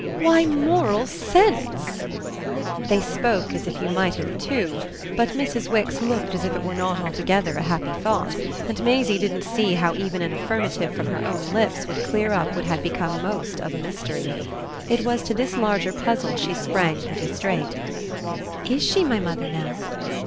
"Why moral sense." They spoke as if you might have two, but Mrs. Wix looked as if it were not altogether a happy thought, and Maisie didn't see how even an affirmative from her own lips would clear up what had become most of a mystery. It was to this larger puzzle she sprang pretty straight. "IS she my mother now?"